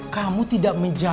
kamu tidak menjaga rumahmu